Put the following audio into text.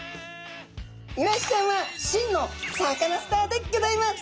イワシちゃんは真のサカナスターでギョざいます！